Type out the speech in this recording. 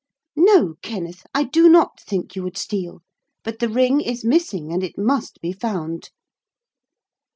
'No, Kenneth, I do not think you would steal, but the ring is missing and it must be found.'